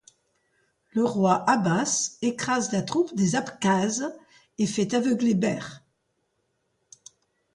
Le roi Abbas écrase la troupe des Abkhazes et fait aveugler Ber.